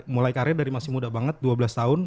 mulai karir dari masih muda banget dua belas tahun